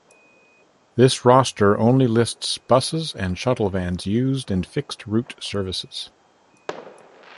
This roster only lists buses and shuttle vans used in fixed route service.